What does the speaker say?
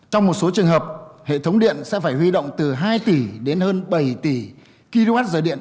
trong một số trường hợp hệ thống điện sẽ phải huy động từ hai tỷ đến hơn bảy tỷ kwh điện